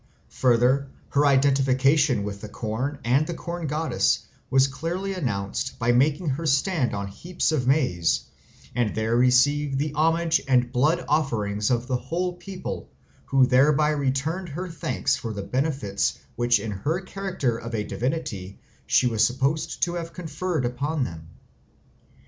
Further, her identification with the corn and the corn goddess was clearly announced by making her stand on the heaps of maize and there receive the homage and blood offerings of the whole people, who thereby returned her thanks for the benefits which in her character of a divinity she was supposed to have conferred upon them.